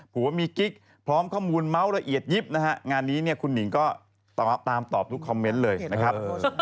ผัวมีกิ๊กพร้อมข้อมูลเมาส์ละเอียดยิบนะฮะงานนี้เนี่ยคุณหนิงก็ตามตอบทุกคอมเมนต์เลยนะครับ